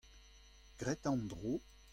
Grit an dro.